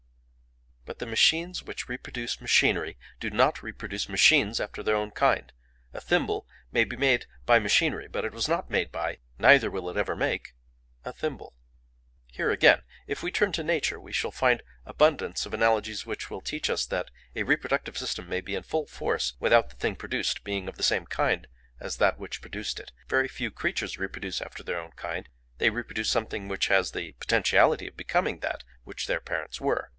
"But the machines which reproduce machinery do not reproduce machines after their own kind. A thimble may be made by machinery, but it was not made by, neither will it ever make, a thimble. Here, again, if we turn to nature we shall find abundance of analogies which will teach us that a reproductive system may be in full force without the thing produced being of the same kind as that which produced it. Very few creatures reproduce after their own kind; they reproduce something which has the potentiality of becoming that which their parents were.